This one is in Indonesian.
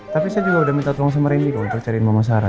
tapi saya juga udah minta tolong sama rindi kok untuk cariin mama sarah